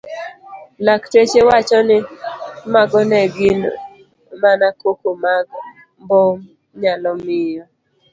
Lakteche wacho ni mago ne gin mana koko mag mbom nyalo miyo